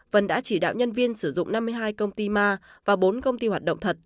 vân đã chỉ đạo nhân viên sử dụng năm mươi hai công ty ma và bốn công ty hoạt động thật